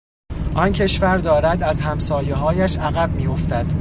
آن کشور دارد از همسایههایش عقب میافتد.